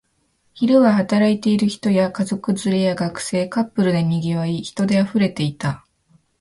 昼は働いている人や、家族連れや学生、カップルで賑わい、人で溢れていた